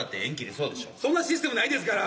そんなシステムないですから。